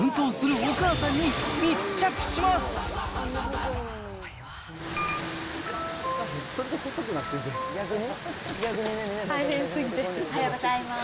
おはようございます。